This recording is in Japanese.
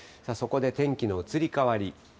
そこで天気の移り変わり。